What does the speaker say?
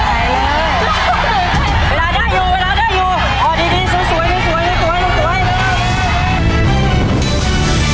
อายเลย